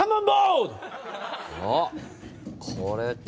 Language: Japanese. あっこれか。